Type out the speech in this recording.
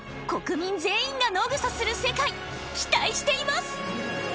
国民全員が野グソする世界期待しています